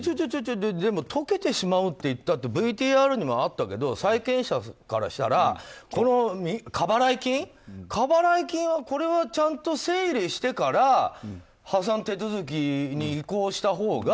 でも溶けてしまうっていったってＶＴＲにもあったけど債権者からしたらこの過払い金はちゃんと整理してから破産手続きに移行したほうが。